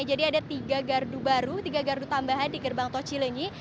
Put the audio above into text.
jadi ada tiga gardu baru tiga gardu tambahan di gerbang tol cilenyi